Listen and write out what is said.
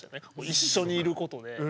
一緒にいることで。